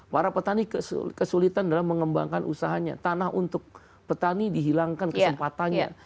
para petani kesulitan dalam mengembangkan usahanya tanah untuk petani dihilangkan kesempatannya